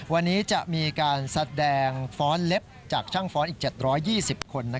วันนี้จะมีการแสดงฟ้อนเล็บจากช่างฟ้อนอีก๗๒๐คน